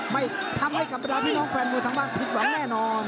ไม่ทำให้กับบรรดาพี่น้องแฟนมวยทางบ้านผิดหวังแน่นอน